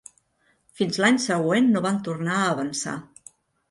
Fins l'any següent no van tornar a avançar.